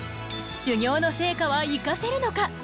修行の成果は生かせるのか？